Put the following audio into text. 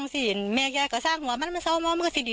คิดว่าเธอจะสั่งแฮนไมว่าตายจนเป้น